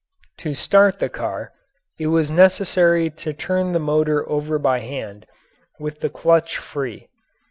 To start the car it was necessary to turn the motor over by hand with the clutch free.